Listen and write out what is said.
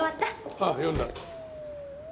ああ読んだ。